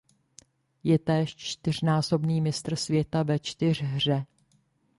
Je též čtyřnásobný mistr světa ve čtyřhře.